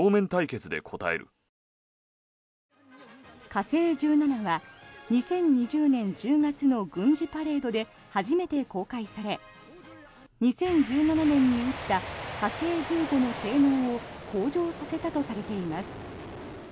火星１７は２０２０年１０月の軍事パレードで初めて公開され２０１７年に撃った火星１５の性能を向上させたとされています。